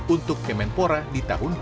untuk kemenpora di tahun dua ribu delapan belas